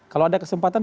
kalau ada kesempatan